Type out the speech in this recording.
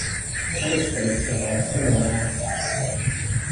Other states would have similar Acts.